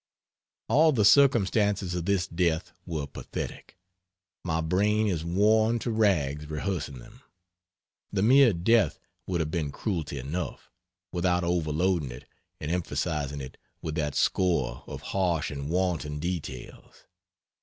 All the circumstances of this death were pathetic my brain is worn to rags rehearsing them. The mere death would have been cruelty enough, without overloading it and emphasizing it with that score of harsh and wanton details.